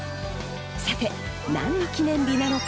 さて何の記念日なのか？